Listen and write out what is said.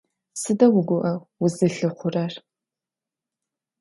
Сыда угуӀэу узылъыхъурэр?